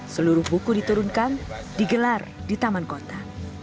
seluruh buku diturunkan digelar di taman kota